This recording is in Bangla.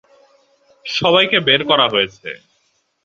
সবাইকে বের করা হয়েছে।